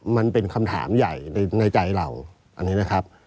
มันเป็นคำถามใหญ่ในใจเราอันนี้นะครับ